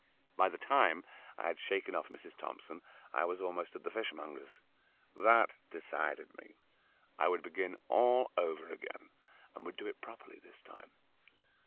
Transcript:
By the time I had shaken off Mrs. Thompson I was almost at the fishmonger's. That decided me. I would begin all over again, and would do it properly this time.